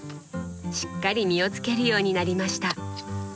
しっかり実をつけるようになりました。